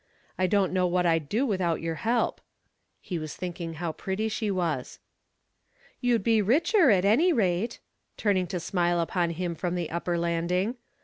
"I don't know what I'd do without your help." He was thinking how pretty she was. "You'd be richer, at any rate," turning to smile upon him from the upper landing.